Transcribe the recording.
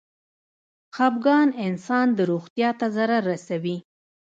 خپګان انسان د روغتيا ته ضرر رسوي.